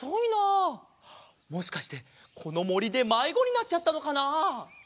もしかしてこのもりでまいごになっちゃったのかなあ。